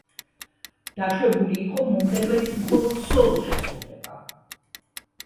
დაშვებული იყო მომღერლების მხოლოდ სოლო შესრულება.